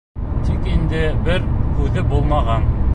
Тик инде бер күҙе булмаған.